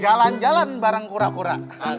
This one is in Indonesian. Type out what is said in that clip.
jalan jalan bareng kura kura